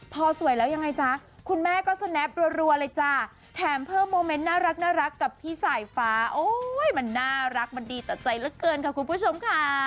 พอสวยแล้วยังไงจ๊ะคุณแม่ก็สแนปรัวเลยจ้ะแถมเพิ่มโมเมนต์น่ารักกับพี่สายฟ้าโอ้ยมันน่ารักมันดีต่อใจเหลือเกินค่ะคุณผู้ชมค่ะ